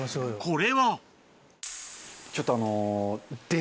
これはちょっとあの。